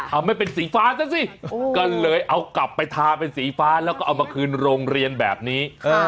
เอาไม่เป็นสีฟ้าซะสิก็เลยเอากลับไปทาเป็นสีฟ้าแล้วก็เอามาคืนโรงเรียนแบบนี้